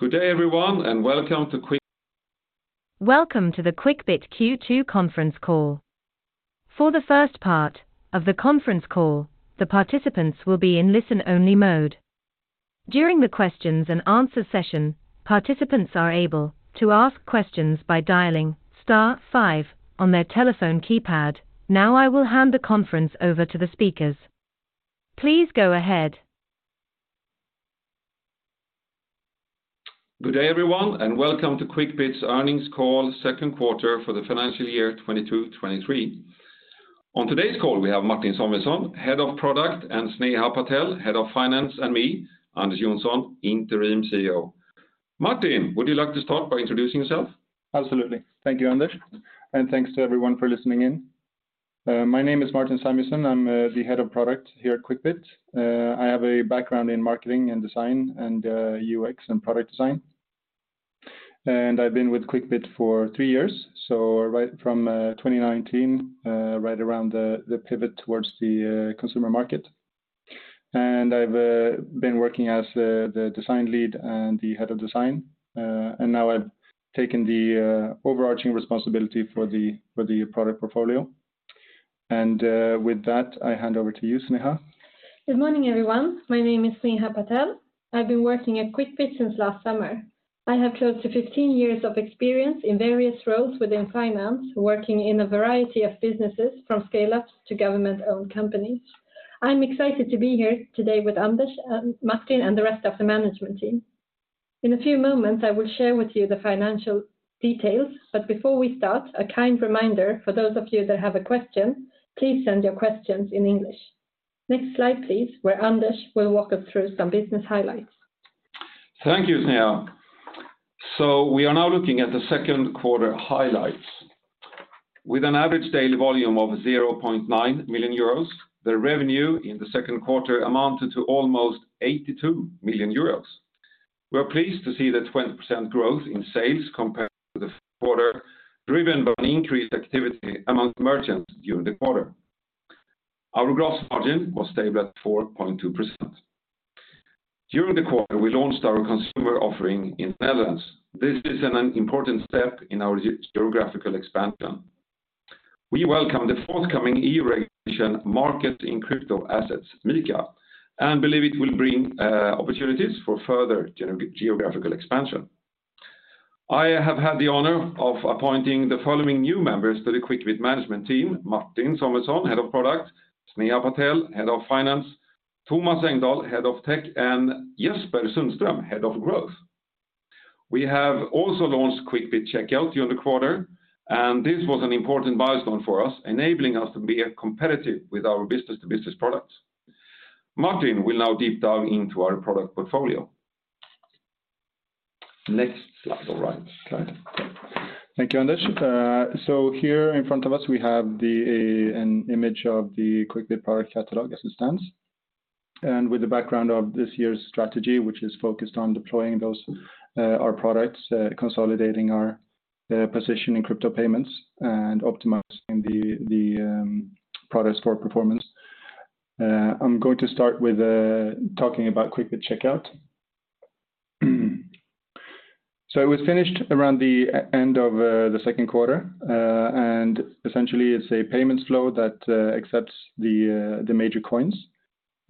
Welcome to the Quickbit Q2 conference call. For the first part of the conference call, the participants will be in listen only mode. During the questions and answer session, participants are able to ask questions by dialing star five on their telephone keypad. Now I will hand the conference over to the speakers. Please go ahead. Good day everyone. Welcome to Quickbit's earnings call second quarter for the financial year 2022-2023. On today's call, we have Martin Samuelsson, Head of Product, and Sneha Patel, Head of Finance, and me, Anders Jonson, Interim CEO. Martin, would you like to start by introducing yourself? Absolutely. Thank you, Anders, and thanks to everyone for listening in. My name is Martin Samuelsson. I'm the Head of Product here at Quickbit. I have a background in marketing and design and UX and product design. I've been with Quickbit for three years, so right from 2019, right around the pivot towards the consumer market. I've been working as the design lead and the head of design. Now I've taken the overarching responsibility for the product portfolio. With that, I hand over to you, Sneha. Good morning, everyone. My name is Sneha Patel. I've been working at Quickbit since last summer. I have close to 15 years of experience in various roles within finance, working in a variety of businesses from scale-ups to government-owned companies. I'm excited to be here today with Anders, Martin, and the rest of the management team. In a few moments, I will share with you the financial details. Before we start, a kind reminder for those of you that have a question, please send your questions in English. Next slide, please, where Anders will walk us through some business highlights. Thank you, Sneha. We are now looking at the second quarter highlights. With an average daily volume of 0.9 million euros, the revenue in the second quarter amounted to almost 82 million euros. We're pleased to see the 20% growth in sales compared to the quarter, driven by an increased activity among merchants during the quarter. Our gross margin was stable at 4.2%. During the quarter, we launched our consumer offering in Netherlands. This is an important step in our geographical expansion. We welcome the forthcoming EU regulation Markets in Crypto-Assets, MiCA, and believe it will bring opportunities for further geographical expansion. I have had the honor of appointing the following new members to the Quickbit management team, Martin Samuelsson, Head of Product, Sneha Patel, Head of Finance, Thomas Engdahl, Head of Tech, and Jesper Sundström, Head of Growth. We have also launched Quickbit Checkout during the quarter, this was an important milestone for us, enabling us to be competitive with our business to business products. Martin will now deep dive into our product portfolio. Next slide. All right. Okay. Thank you, Anders. Here in front of us we have an image of the Quickbit product catalog as it stands. With the background of this year's strategy, which is focused on deploying those our products, consolidating our position in crypto payments and optimizing the product score performance. I'm going to start with talking about Quickbit Checkout. It was finished around the end of the second quarter. Essentially it's a payments flow that accepts the major coins.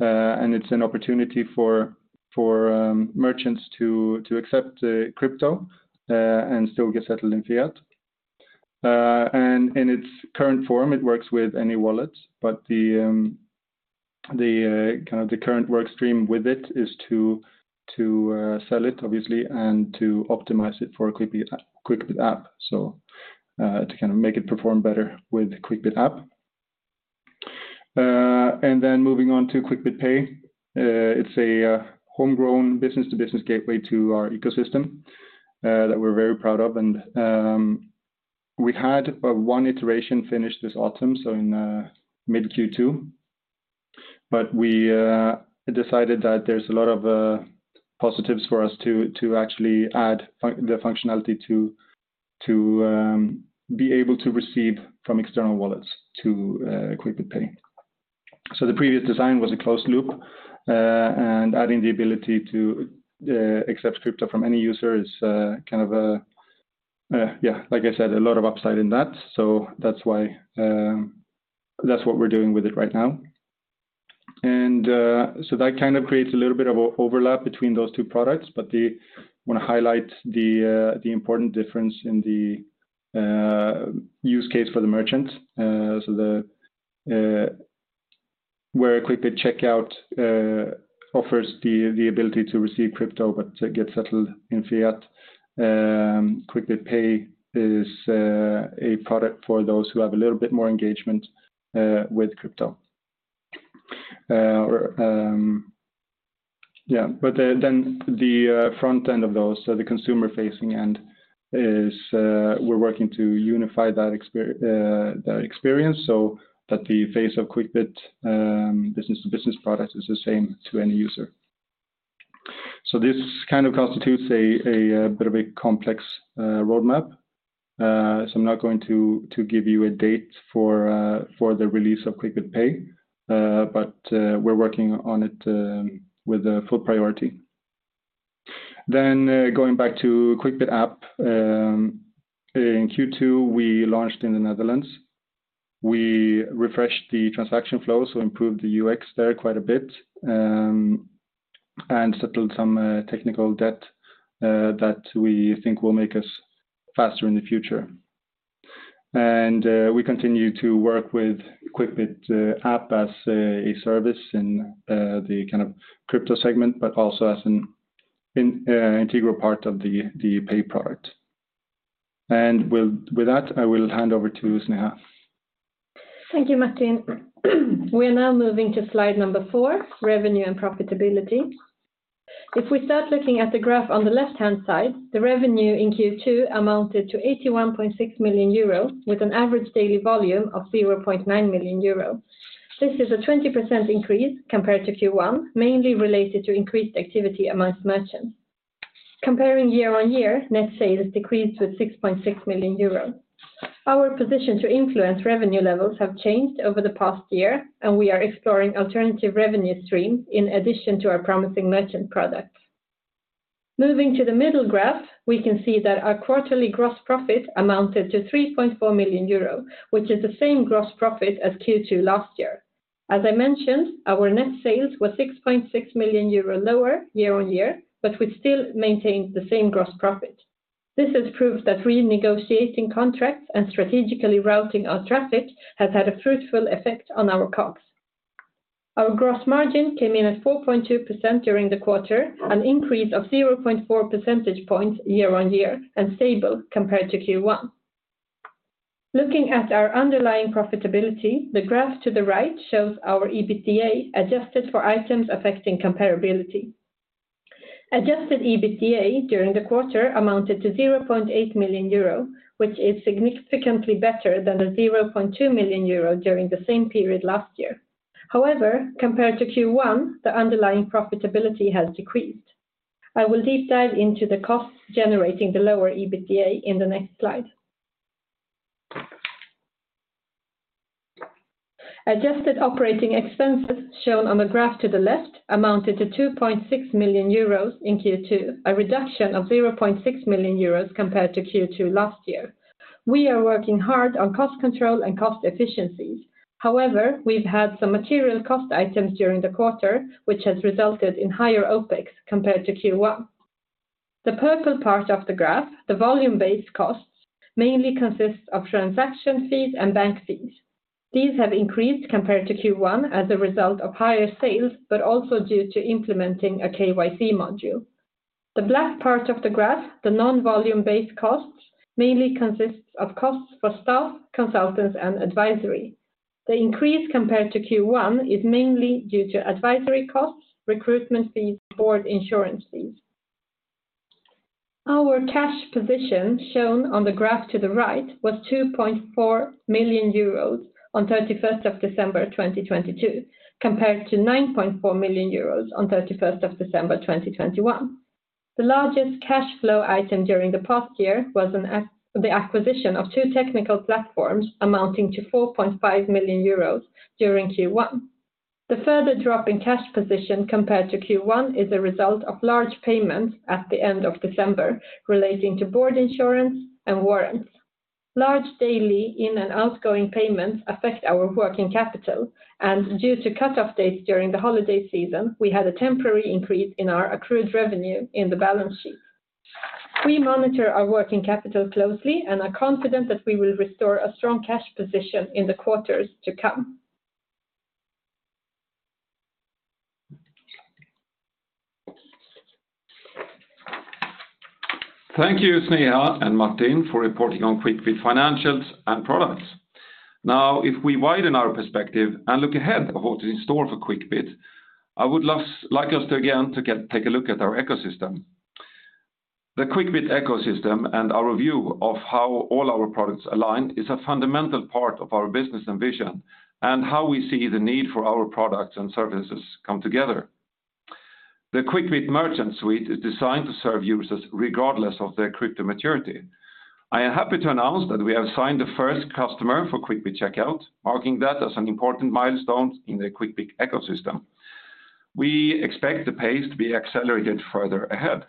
It's an opportunity for merchants to accept crypto and still get settled in fiat. In its current form, it works with any wallet, but the kind of the current work stream with it is to sell it obviously, and to optimize it for Quickbit App. To kind of make it perform better with Quickbit App. Then moving on to Quickbit Pay. It's a homegrown B2B gateway to our ecosystem that we're very proud of. We had one iteration finished this autumn, so in mid Q2. We decided that there's a lot of positives for us to actually add the functionality to be able to receive from external wallets to Quickbit Pay. The previous design was a closed loop. Adding the ability to accept crypto from any user is kind of a, like I said, a lot of upside in that. That's why that's what we're doing with it right now. That kind of creates a little bit of overlap between those two products. Want to highlight the important difference in the use case for the merchant. Where Quickbit Checkout offers the ability to receive crypto but to get settled in fiat, Quickbit Pay is a product for those who have a little bit more engagement with crypto. Or, yeah. The front end of those, so the consumer facing end is, we're working to unify that experience so that the face of Quickbit, business to business product is the same to any user. This kind of constitutes a bit of a complex roadmap. I'm not going to give you a date for the release of Quickbit Pay, but we're working on it with full priority. Going back to Quickbit App, in Q2, we launched in the Netherlands. We refreshed the transaction flow, so improved the UX there quite a bit, and settled some technical debt that we think will make us faster in the future. We continue to work with Quickbit App as a service in the kind of crypto segment, but also as an integral part of the pay product. With that, I will hand over to Sneha. Thank you, Martin. We're now moving to slide number four, revenue and profitability. If we start looking at the graph on the left-hand side, the revenue in Q2 amounted to 81.6 million euro, with an average daily volume of 0.9 million euro. This is a 20% increase compared to Q1, mainly related to increased activity amongst merchants. Comparing year-over-year, net sales decreased with 6.6 million euros. Our position to influence revenue levels have changed over the past year. We are exploring alternative revenue stream in addition to our promising merchant products. Moving to the middle graph, we can see that our quarterly gross profit amounted to 3.4 million euro, which is the same gross profit as Q2 last year. As I mentioned, our net sales was 6.6 million euro lower year-on-year, we still maintained the same gross profit. This has proved that renegotiating contracts and strategically routing our traffic has had a fruitful effect on our costs. Our gross margin came in at 4.2% during the quarter, an increase of 0.4 percentage points year-on-year and stable compared to Q1. Looking at our underlying profitability, the graph to the right shows our EBITDA adjusted for items affecting comparability. Adjusted EBITDA during the quarter amounted to 0.8 million euro, which is significantly better than the 0.2 million euro during the same period last year. Compared to Q1, the underlying profitability has decreased. I will deep dive into the costs generating the lower EBITDA in the next slide. Adjusted operating expenses shown on the graph to the left amounted to 2.6 million euros in Q2, a reduction of 0.6 million euros compared to Q2 last year. We are working hard on cost control and cost efficiencies. We've had some material cost items during the quarter, which has resulted in higher OpEx compared to Q1. The purple part of the graph, the volume-based costs, mainly consists of transaction fees and bank fees. These have increased compared to Q1 as a result of higher sales, but also due to implementing a KYC module. The black part of the graph, the non-volume based costs, mainly consists of costs for staff, consultants, and advisory. The increase compared to Q1 is mainly due to advisory costs, recruitment fees, board insurance fees. Our cash position shown on the graph to the right was 2.4 million euros on December 31, 2022, compared to 9.4 million euros on December 31, 2021. The largest cash flow item during the past year was the acquisition of two technical platforms amounting to 4.5 million euros during Q1. The further drop in cash position compared to Q1 is a result of large payments at the end of December relating to board insurance and warrants. Large daily in and outgoing payments affect our working capital, and due to cut-off dates during the holiday season, we had a temporary increase in our accrued revenue in the balance sheet. We monitor our working capital closely and are confident that we will restore a strong cash position in the quarters to come. Thank you, Sneha and Martin, for reporting on Quickbit financials and products. If we widen our perspective and look ahead of what is in store for Quickbit, I would like us to again take a look at our ecosystem. The Quickbit ecosystem and our view of how all our products align is a fundamental part of our business and vision, and how we see the need for our products and services come together. The Quickbit Merchant suite is designed to serve users regardless of their crypto maturity. I am happy to announce that we have signed the first customer for Quickbit Checkout, marking that as an important milestone in the Quickbit ecosystem. We expect the pace to be accelerated further ahead.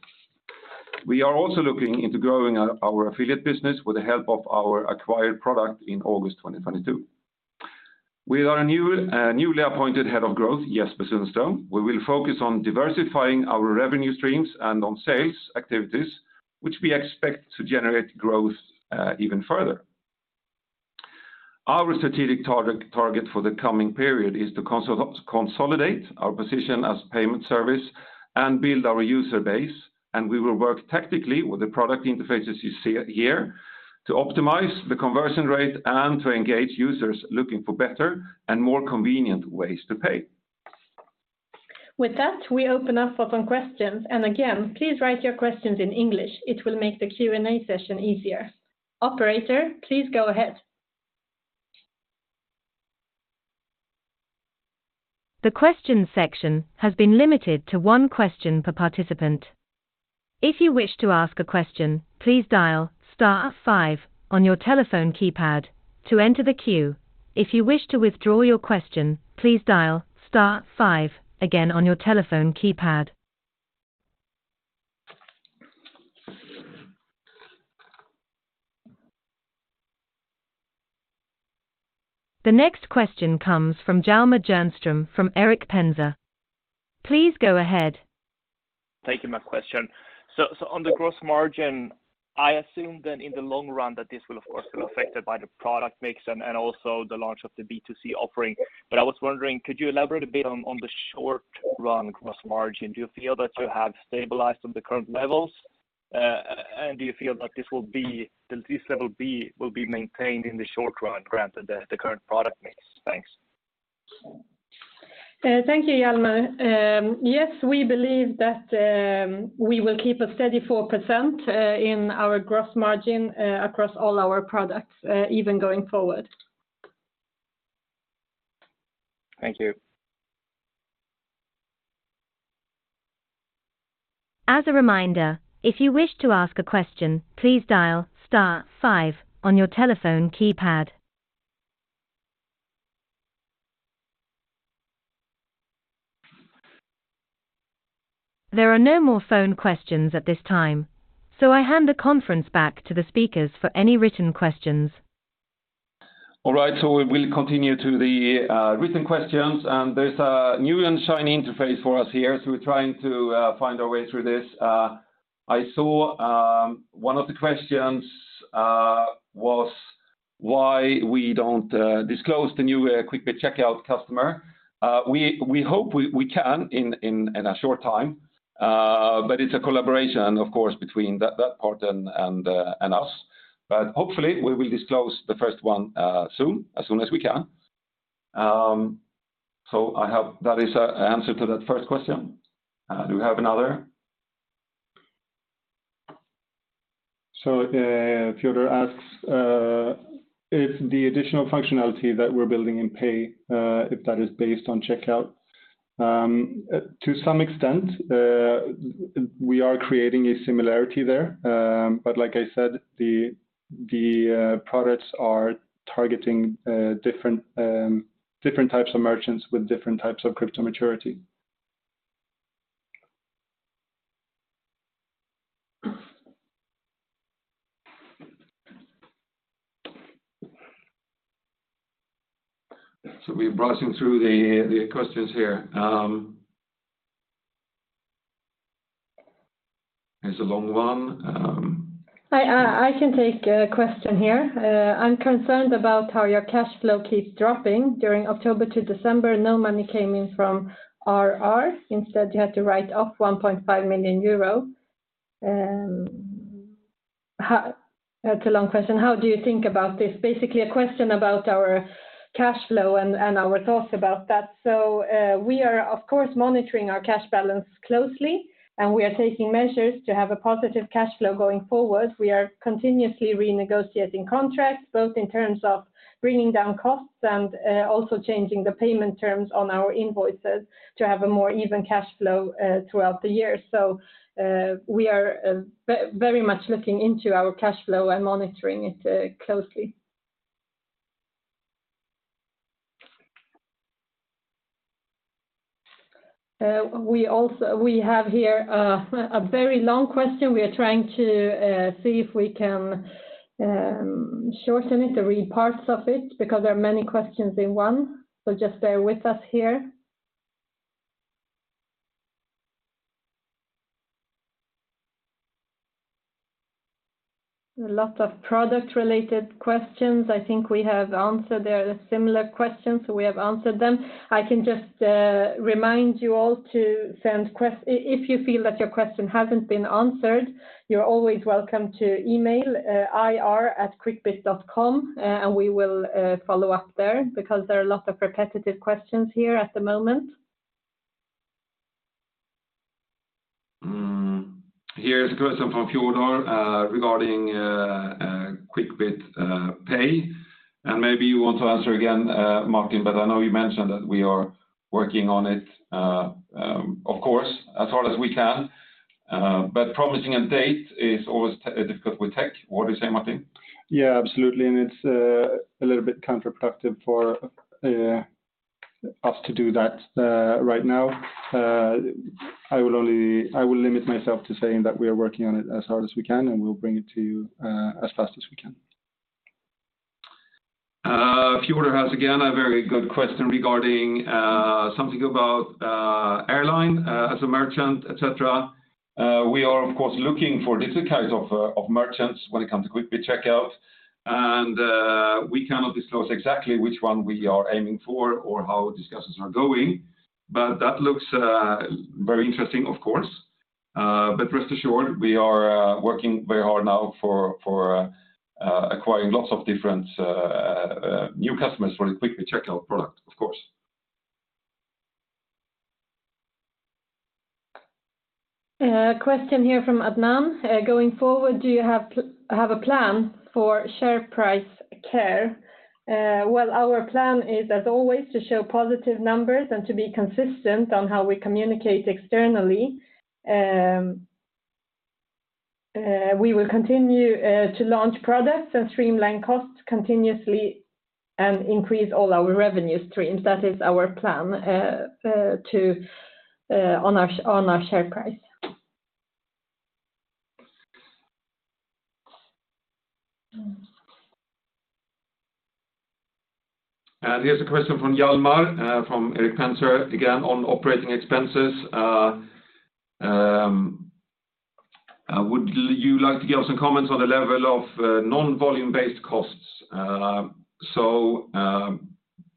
We are also looking into growing our affiliate business with the help of our acquired product in August 2022. With our new, newly appointed Head of Growth, Jesper Sundström, we will focus on diversifying our revenue streams and on sales activities, which we expect to generate growth even further. Our strategic target for the coming period is to consolidate our position as payment service and build our user base, and we will work tactically with the product interfaces you see here to optimize the conversion rate and to engage users looking for better and more convenient ways to pay. With that, we open up for some questions. Again, please write your questions in English. It will make the Q&A session easier. Operator, please go ahead. The questions section has been limited to one question per participant. If you wish to ask a question, please dial star five on your telephone keypad to enter the queue. If you wish to withdraw your question, please dial star five again on your telephone keypad. The next question comes from Hjalmar Jernström from Erik Penser Bank. Please go ahead. Thank you. My question. On the gross margin, I assume that in the long run that this will of course be affected by the product mix and also the launch of the B2C offering. I was wondering, could you elaborate a bit on the short run gross margin? Do you feel that you have stabilized on the current levels? And do you feel that this level will be maintained in the short run, granted the current product mix? Thanks. Thank you, HJalmar. Yes, we believe that we will keep a steady 4% in our gross margin across all our products, even going forward. Thank you. As a reminder, if you wish to ask a question, please dial star five on your telephone keypad. There are no more phone questions at this time. I hand the conference back to the speakers for any written questions. All right, we will continue to the written questions, and there's a new and shiny interface for us here, we're trying to find our way through this. I saw one of the questions was why we don't disclose the new Quickbit Checkout customer. We hope we can in a short time, but it's a collaboration, of course, between that part and us. Hopefully we will disclose the first one soon, as soon as we can. I have that as an answer to that first question. Do we have another? Fyodor asks if the additional functionality that we're building in Pay, if that is based on checkout. To some extent, we are creating a similarity there. Like I said, the products are targeting different types of merchants with different types of crypto maturity. We're browsing through the questions here. Here's a long one. I can take a question here. I'm concerned about how your cash flow keeps dropping during October to December. No money came in from RR. Instead, you had to write off 1.5 million euro. That's a long question. How do you think about this? Basically a question about our cash flow and our thoughts about that. We are of course monitoring our cash balance closely, and we are taking measures to have a positive cash flow going forward. We are continuously renegotiating contracts, both in terms of bringing down costs and also changing the payment terms on our invoices to have a more even cash flow throughout the year. We are very much looking into our cash flow and monitoring it closely. We have here a very long question. We are trying to see if we can shorten it or read parts of it because there are many questions in one. Just bear with us here. A lot of product related questions. I think we have answered. They are similar questions, we have answered them. I can just remind you all to send if you feel that your question hasn't been answered, you're always welcome to email ir@quickbit.com, and we will follow up there because there are a lot of repetitive questions here at the moment. Here is a question from Fyodor, regarding Quickbit Pay, and maybe you want to answer again, Martin, but I know you mentioned that we are working on it, of course, as hard as we can, but promising a date is always difficult with tech. What do you say, Martin? Absolutely, it's a little bit counterproductive for us to do that right now. I will limit myself to saying that we are working on it as hard as we can, and we'll bring it to you as fast as we can. Fyodor has again a very good question regarding something about airline as a merchant, et cetera. We are of course looking for this type of merchants when it comes to Quickbit Checkout and we cannot disclose exactly which one we are aiming for or how discussions are going, but that looks very interesting of course. Rest assured we are working very hard now for acquiring lots of different new customers for the Quickbit Checkout product of course. Question here from Adnan. "Going forward, do you have a plan for share price care?" Well, our plan is, as always, to show positive numbers and to be consistent on how we communicate externally. We will continue to launch products and streamline costs continuously and increase all our revenue streams. That is our plan to on our share price. Here's a question from HJalmar from Erik Penser Bank, again, on operating expenses. Would you like to give us some comments on the level of non-volume based costs?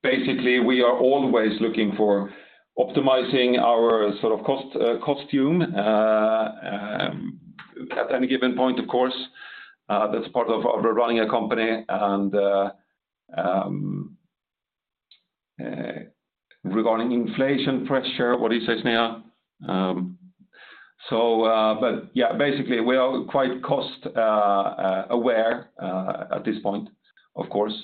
Basically, we are always looking for optimizing our sort of cost costume at any given point, of course. That's part of running a company and regarding inflation pressure, what you say, Sneha. Yeah, basically, we are quite cost aware at this point, of course.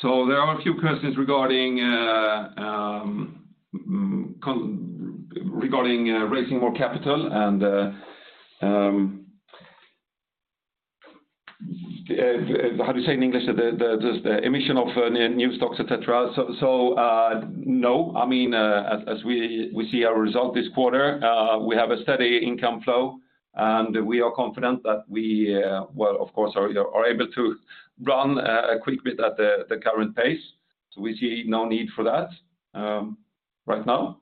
There are a few questions regarding raising more capital and how do you say in English? The emission of new stocks, et cetera. No. I mean, as we see our result this quarter, we have a steady income flow. We are confident that we, well, of course, are able to run Quickbit at the current pace. We see no need for that right now.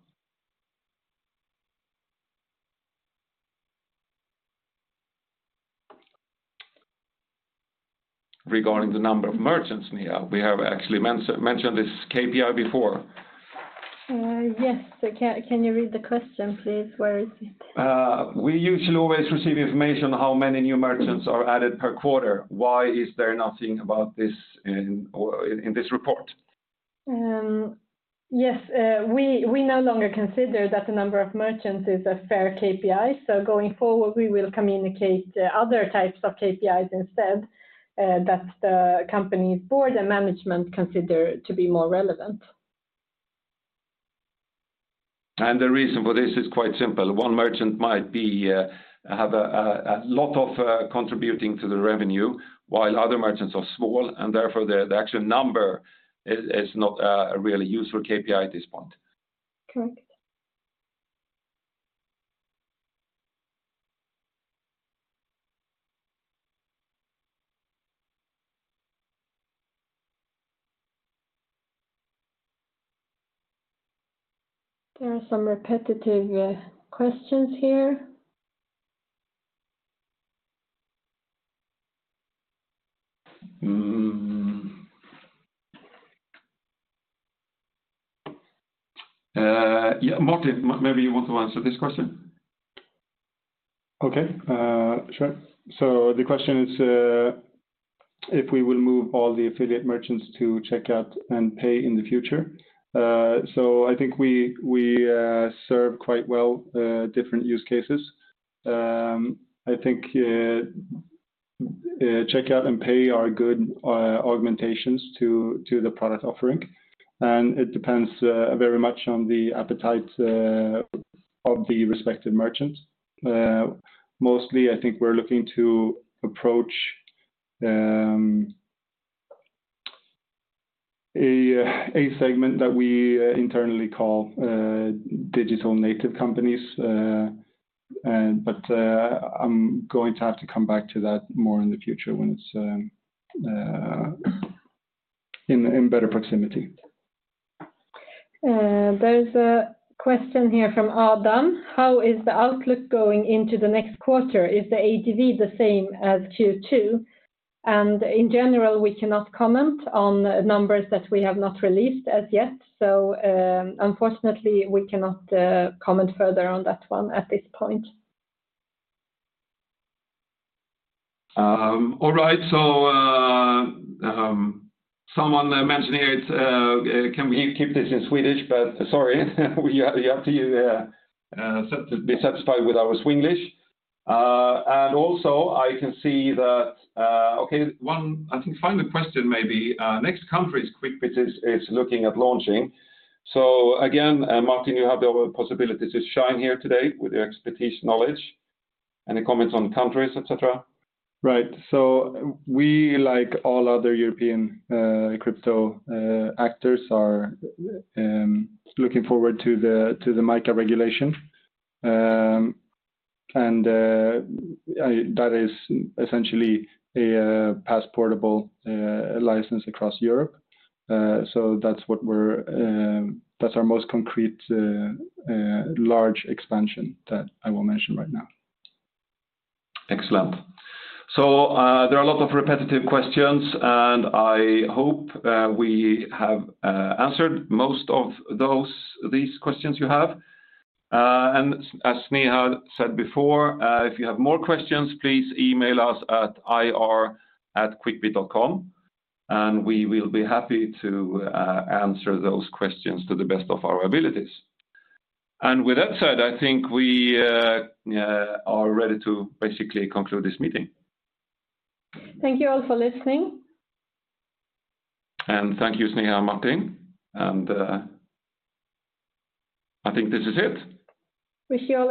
Regarding the number of merchants, Sneha, we have actually mentioned this KPI before. Yes. Can you read the question, please? Where is it? We usually always receive information how many new merchants are added per quarter. Why is there nothing about this in this report? Yes. We no longer consider that the number of merchants is a fair KPI, so going forward, we will communicate other types of KPIs instead that the company's board and management consider to be more relevant. The reason for this is quite simple. One merchant might be, have a lot of, contributing to the revenue, while other merchants are small, and therefore, the actual number is not a really useful KPI at this point. Correct. There are some repetitive questions here. Yeah, Martin, maybe you want to answer this question. Okay. Sure. The question is, if we will move all the affiliate merchants to Checkout and Pay in the future. I think we serve quite well, different use cases. I think Checkout and Pay are good augmentations to the product offering, and it depends very much on the appetite of the respective merchants. Mostly, I think we're looking to approach a segment that we internally call digital native companies, and but, I'm going to have to come back to that more in the future when it's in better proximity. There's a question here from Adam: "How is the outlook going into the next quarter? Is the ADV the same as Q2?" In general, we cannot comment on numbers that we have not released as yet. Unfortunately, we cannot comment further on that one at this point. ne mentioned here it's, can we keep this in Swedish? Sorry, you have to be satisfied with our Swenglish. Also, I can see that, okay, one, I think, final question maybe. Next countries Quickbit is looking at launching. Again, Martin, you have the possibility to shine here today with your expertise knowledge. Any comments on countries, et cetera? Right. We, like all other European crypto actors, are looking forward to the MiCA regulation. That is essentially a passportable license across Europe. That's what we're, that's our most concrete large expansion that I will mention right now. Excellent. There are a lot of repetitive questions, and I hope we have answered most of these questions you have. As Sneha said before, if you have more questions, please email us at ir@quickbit.com, and we will be happy to answer those questions to the best of our abilities. With that said, I think we are ready to basically conclude this meeting. Thank you all for listening. Thank you, Sneha and Martin. I think this is it. Wish you all a g-